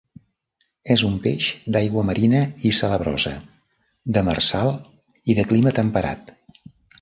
És un peix d'aigua marina i salabrosa, demersal i de clima temperat.